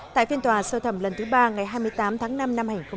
tại phiên tòa sơ thẩm lần thứ ba ngày hai mươi tám tháng năm năm hai nghìn một mươi chín